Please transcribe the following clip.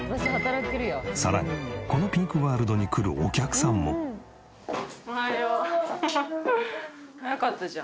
さらにこのピンクワールドに来るピンクだ。